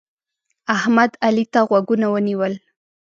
احمد؛ علي ته غوږونه ونیول.